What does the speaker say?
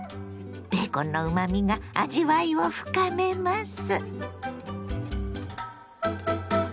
ベーコンのうまみが味わいを深めます。